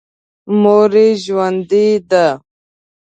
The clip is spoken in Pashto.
مور یې ژوندۍ ده.